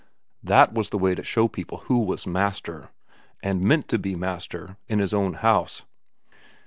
That was the way to show people who was master, and meant to be master, in his own house.